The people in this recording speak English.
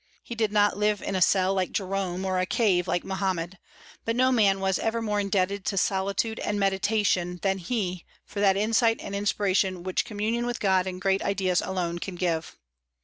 He did not live in a cell, like Jerome, or a cave, like Mohammed; but no man was ever more indebted to solitude and meditation than he for that insight and inspiration which communion with God and great ideas alone can give.